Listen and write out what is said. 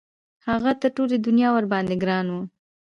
هغه تر ټولې دنیا ورباندې ګران وو.